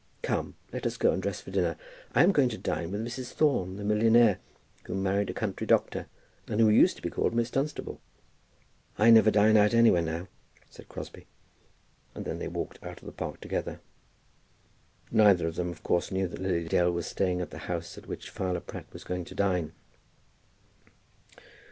Come, let us go and dress for dinner. I am going to dine with Mrs. Thorne, the millionaire, who married a country doctor, and who used to be called Miss Dunstable." "I never dine out anywhere now," said Crosbie. And then they walked out of the Park together. Neither of them, of course, knew that Lily Dale was staying at the house at which Fowler Pratt was going to dine.